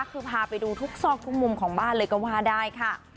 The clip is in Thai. คือพาไปดูทุกซอกทุกมุมของบ้านเลยก็ว่าได้ค่ะ